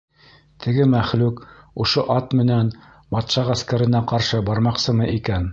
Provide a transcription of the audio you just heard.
— Теге мәхлүҡ ошо ат менән батша ғәскәренә ҡаршы бармаҡсымы икән?